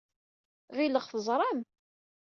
Ɣileɣ teẓram.